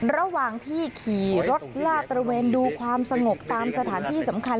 ระหว่างที่ขี่รถลาดตระเวนดูความสงบตามสถานที่สำคัญ